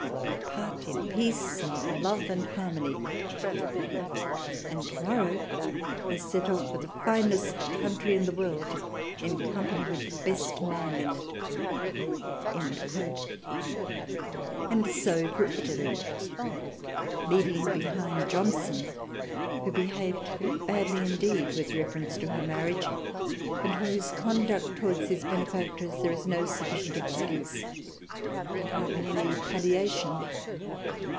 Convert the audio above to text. We part in Peace and Love and Harmony ; and tomorrow I set off for the finest Country in the World in company with the best Man in it." And so for Italy — leaving behind Johnson, who behaved very badly indeed with reference to her marriage and for whose conduct towards his Bene factress there is no sufficient excuse and hardly any palliation.